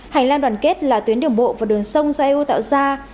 hành lan đoàn kết là tuyến điểm bộ và đường sông do eu tạo ra